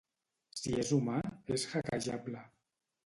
Si és humà, és hackejable